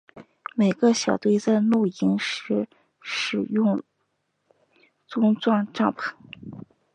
每个小队在露营时使用钟状帐篷。